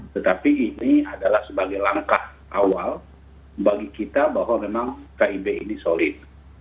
tetapi ini adalah sebagai langkah awal bagi kita bahwa memang kib ini solid